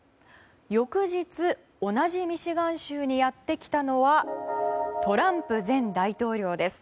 翌日、同じミシガン州にやって来たのはトランプ前大統領です。